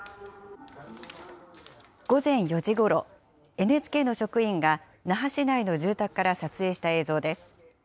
午前４時ごろ、ＮＨＫの職員が、那覇市内の住宅から撮影した映像です。